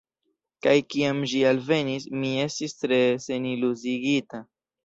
Kaj kiam ĝi alvenis, mi estis tre seniluziigita.